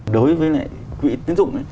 đối với lại quỹ tiến dụng